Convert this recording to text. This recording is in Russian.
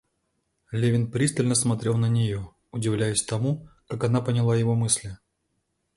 Левин пристально смотрел на нее, удивляясь тому, как она поняла его мысли.